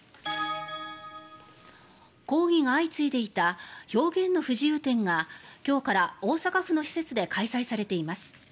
抗議が相次いでいた表現の不自由展が今日から大阪府の施設で開催されています。